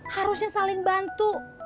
harusnya saling bantu